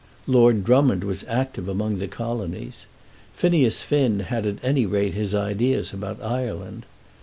Lord Drummond was active among the colonies. Phineas Finn had at any rate his ideas about Ireland.